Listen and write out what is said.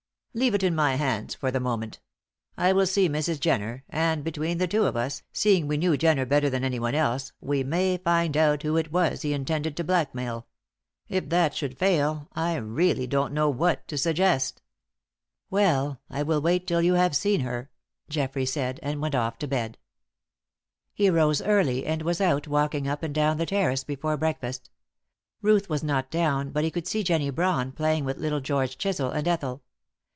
"Leave it in my hands for the moment. I will see Mrs. Jenner, and between the two of us, seeing we knew Jenner better than anyone else, we may find out who it was he intended to blackmail. If that should fail, I really don't know what to suggest. "Well, I will wait till you have seen her," Geoffrey said, and went off to bed. He rose early, and was out walking up and down the terrace before breakfast. Ruth was not down, but he could see Jennie Brawn playing with little George Chisel and Ethel.